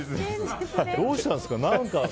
どうしたんですか。